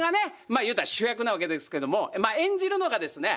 まあ言うたら主役なわけですけども演じるのがですね